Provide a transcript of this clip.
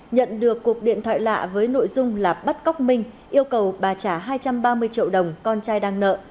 nhận được cuộc điện thoại lạ với nội dung là bắt cóc minh yêu cầu bà trả hai trăm ba mươi triệu đồng con trai đang nợ